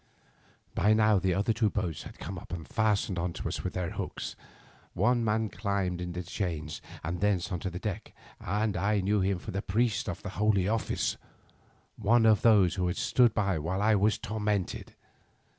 "By now the other two boats had come up and fastened on to us with their hooks. One man climbed into the chains and thence to the deck, and I knew him for a priest of the Holy Office, one of those who had stood by while I was tormented.